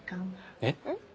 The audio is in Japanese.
えっ？